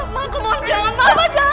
ma aku mohon jangan ma aku mohon